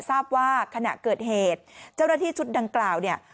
ทราบว่าขณะเกิดเหตุเจ้าหน้าที่ชุดดังกล่าวเนี่ย